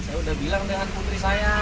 saya udah bilang dengan putri saya